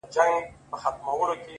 داسي نه كړو!